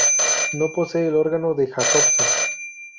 No poseen el órgano de Jacobson.